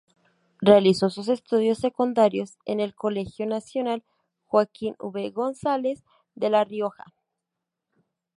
Realizó sus estudios secundarios en el Colegio Nacional Joaquín V. González, de La Rioja.